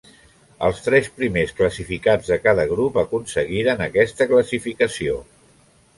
Els tres primers classificats de cada grup aconseguiren aquesta classificació.